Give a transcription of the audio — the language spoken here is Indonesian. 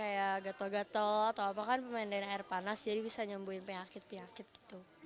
ya gato gato atau apa kan pemandang air panas jadi bisa nyembuhin penyakit penyakit gitu